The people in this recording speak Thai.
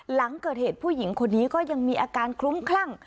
หลังเกิดเหตุผู้หญิงคนนี้ก็ยังมีอาการคลุ้มคลั่ง